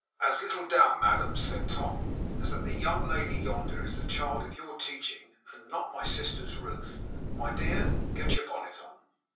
'As little doubt, madam,' said Tom, 'as that the young lady yonder is the child of your teaching, and not my sister's. Ruth, my dear, get your bonnet on!